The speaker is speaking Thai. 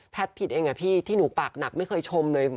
ผิดเองอะพี่ที่หนูปากหนักไม่เคยชมเลย